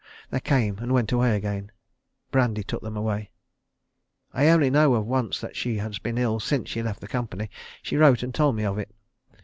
They came and went away again. Brandy took them away. I only know of once that she has been ill since she left the company. She wrote and told me of it.